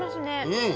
うん。